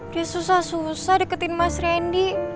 dia susah susah deketin mas randy